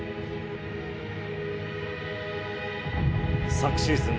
昨シーズン